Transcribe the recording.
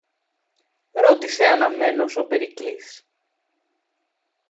ρώτησε αναμμένος ο Περικλής.